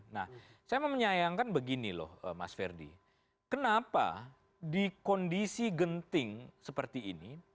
nah saya mau menyayangkan begini loh mas ferdi kenapa di kondisi genting seperti ini